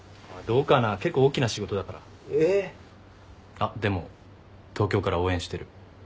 あっでも東京から応援してる。